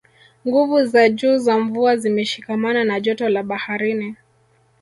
nguvu za juu za mvua zimeshikamana na joto la baharini